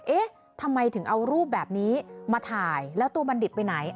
เอ๊ะทำไมถึงเอารูปแบบนี้มาถ่ายแล้วตัวบัณฑิตไปไหน